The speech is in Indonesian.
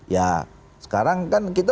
ya sekarang kan kita